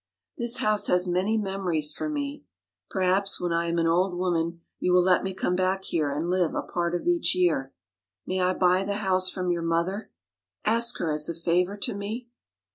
"This house has many memories for me. Perhaps when I am an old woman you will let me come back here and live a part of each year. May I buy the house from your mother? Ask her as a favor to me?"